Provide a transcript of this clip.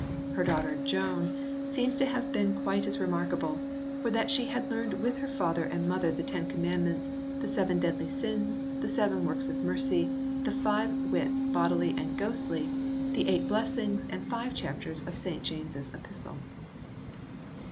Her daughter Joan seems to have been quite as remarkable, "for that she had learned with her father and mother the Ten Commandments, the seven deadly sins, the seven works of mercy, the five wits bodily and ghostly, the eight blessings, and five chapters of St James s Epistle."